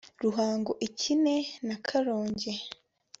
Ruhango ikine na Karongi